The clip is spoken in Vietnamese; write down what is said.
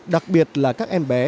đặc biệt là các em bé